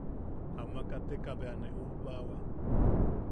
Ama kateka bea ne ubbawa.